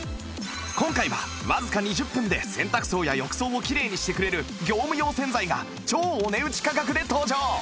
今回はわずか２０分で洗濯槽や浴槽をきれいにしてくれる業務用洗剤が超お値打ち価格で登場！